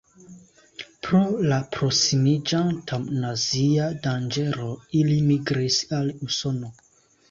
Pro la prosimiĝanta nazia danĝero ili migris al Usono.